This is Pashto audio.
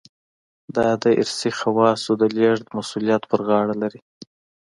دا د ارثي خواصو د لېږد مسوولیت په غاړه لري.